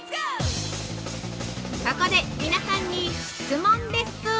ここで皆さんに質問です。